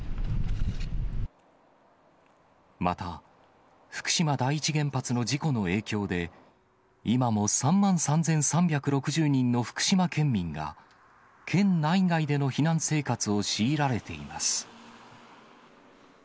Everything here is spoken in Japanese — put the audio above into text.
また、福島第一原発の事故の影響で、今も３万３３６０人の福島県民が、県内外での避難生活を強いられています。